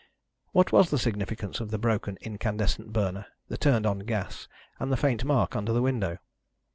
What was the significance of the broken incandescent burner, the turned on gas, and the faint mark under the window?